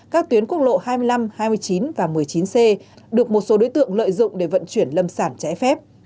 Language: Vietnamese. các tuyến quốc lộ hai mươi năm hai mươi chín và một mươi chín c được một số đối tượng lợi dụng để vận chuyển lâm sản trái phép